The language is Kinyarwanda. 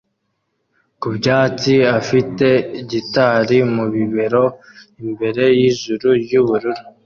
ku byatsi afite gitari mu bibero imbere yijuru ryubururu